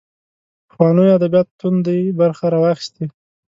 پخوانیو ادبیاتو توندۍ برخې راواخیستې